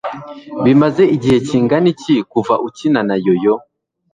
Bimaze igihe kingana iki kuva ukina na yo-yo?